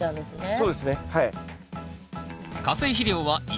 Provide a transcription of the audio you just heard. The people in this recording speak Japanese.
そうですねはい。